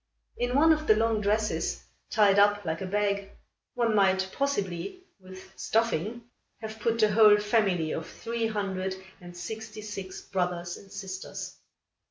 In one of the long dresses, tied up like a bag, one might possibly, with stuffing, have put the whole family of three hundred and sixty six brothers and sisters.